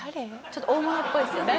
ちょっと大物っぽいですよね。